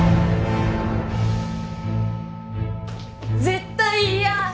絶対嫌！